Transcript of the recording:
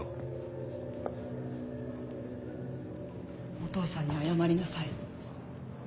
お父さんに謝りなさい。